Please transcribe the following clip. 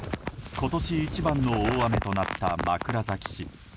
今年一番の大雨となった枕崎市。